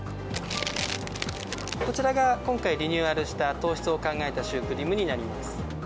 こちらが今回リニューアルした、糖質を考えたシュークリームになります。